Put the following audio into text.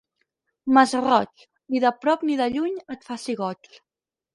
Masroig, ni de prop ni de lluny et faci goig.